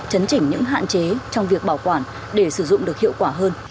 chấn chỉnh những hạn chế trong việc bảo quản để sử dụng được hiệu quả hơn